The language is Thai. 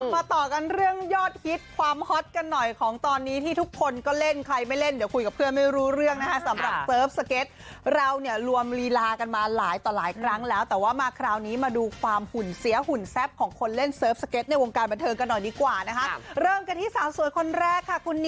ต่อกันเรื่องยอดฮิตความฮอตกันหน่อยของตอนนี้ที่ทุกคนก็เล่นใครไม่เล่นเดี๋ยวคุยกับเพื่อนไม่รู้เรื่องนะคะสำหรับเซิร์ฟสเก็ตเราเนี่ยรวมลีลากันมาหลายต่อหลายครั้งแล้วแต่ว่ามาคราวนี้มาดูความหุ่นเสียหุ่นแซ่บของคนเล่นเซิร์ฟสเก็ตในวงการบันเทิงกันหน่อยดีกว่านะคะเริ่มกันที่สาวสวยคนแรกค่ะคุณ